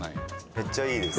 めっちゃいいです。